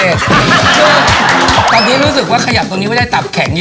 ตอนนี้รู้สึกว่าขยับตรงนี้ไม่ได้ตับแข็งเยอะ